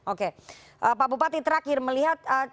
oke pak bupati terakhir melihat